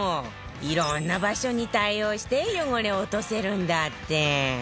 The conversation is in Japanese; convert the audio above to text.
いろんな場所に対応して汚れを落とせるんだって